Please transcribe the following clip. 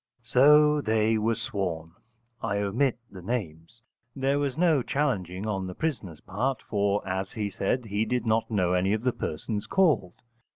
So they were sworn. I omit the names. There was no challenging on the prisoner's part, for, as he said, he did not know any of the persons called.